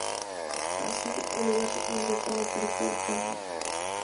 Así, el lugar se conocía como "Perico del Carmen".